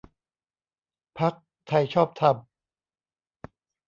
พรรคไทยชอบธรรม